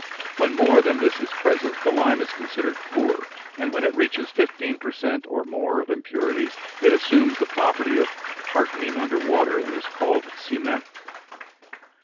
When more than this is present the lime is considered poor, and when it reaches fifteen per cent. or more of impurities it assumes the property of hardening under water and is called cement.